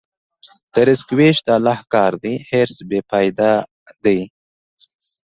د رزق وېش د الله کار دی، حرص بېفایده دی.